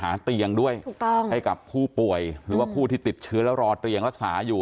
มันก็เป็นต้นต้นแรกที่เอาตรวจเบสคิดไปลันก่อน